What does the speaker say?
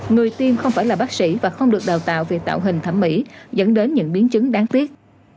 người tiêm không phải là bác sĩ và không được đào tạo về tạo hình thẩm mỹ dẫn đến những biến chứng đáng tiếc